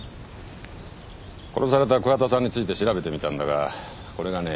殺された桑田さんについて調べてみたんだがこれがね